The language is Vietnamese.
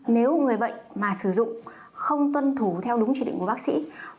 nếu người bệnh mà sử dụng không tuân thủ theo đúng chỉ định của bác sĩ